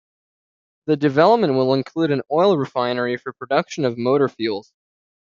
The development will include an oil refinery for production of motor fuels.